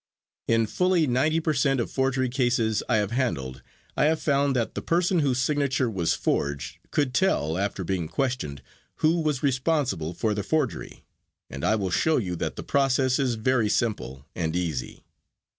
In fully ninety per cent of forgery cases I have handled I have found that the person whose signature was forged could tell, after being questioned, who was responsible for the forgery, and I will show you that the process is very simple and easy.